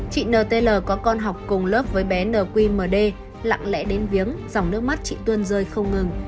chị nt có con học cùng lớp với bé nqmd lặng lẽ đến viếng dòng nước mắt chị tuân rơi không ngừng